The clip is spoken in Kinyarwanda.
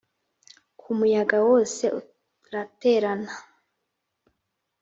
ku muyaga wose uraterana